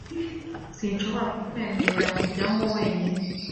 Sinshobora kukwemerera kujyamo wenyine